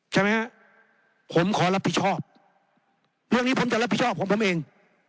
ใช่ไหมฮะผมขอรับผิดชอบเรื่องนี้ผมจะรับผิดชอบของผมเอง